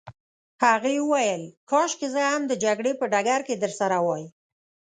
هغې وویل: کاشکې زه هم د جګړې په ډګر کي درسره وای.